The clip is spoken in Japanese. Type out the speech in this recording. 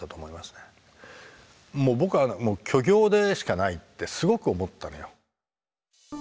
もう僕は虚業でしかないってすごく思ったのよ。